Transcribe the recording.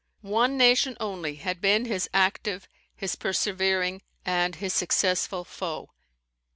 One nation only had been his active, his persevering, and his successful foe.